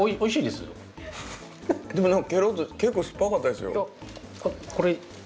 結構酸っぱかったですよ？